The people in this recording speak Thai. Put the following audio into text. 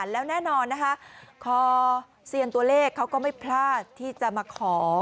แล้วแน่นอนนะคะคอเซียนตัวเลขเขาก็ไม่พลาดที่จะมาขอ